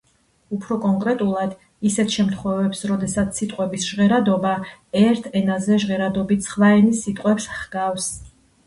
უფრო კონკრეტულად, ისეთ შემთხვევებს, როდესაც სიტყვების ჟღერადობა ერთ ენაზე ჟღერადობით სხვა ენის სიტყვებს ჰგავს.